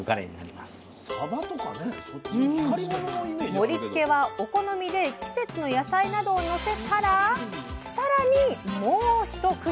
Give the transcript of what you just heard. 盛りつけはお好みで季節の野菜などをのせたら更にもうひと工夫。